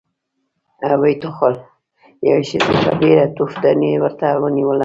ويې ټوخل، يوې ښځې په بيړه توفدانۍ ورته ونېوله.